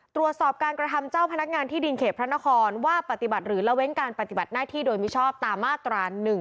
ตรวจสอบการกระทำเจ้าพนักงานที่ดินเขตพระนครว่าปฏิบัติหรือละเว้นการปฏิบัติหน้าที่โดยมิชอบตามมาตรา๑๑